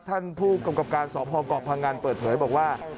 ท่านผู้กำกราบการสอบพกพงเปิดเผยบอกว่า